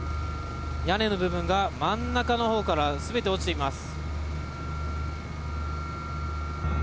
屋根の部分が、真ん中の方から全て落ちています。